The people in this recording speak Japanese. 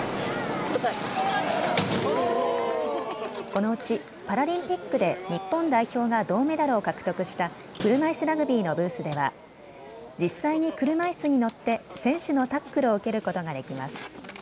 このうちパラリンピックで日本代表が銅メダルを獲得した車いすラグビーのブースでは実際に車いすに乗って選手のタックルを受けることができます。